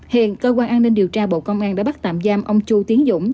hiện cơ quan an ninh điều tra bộ công an đã bắt tạm giam ông chu tiến dũng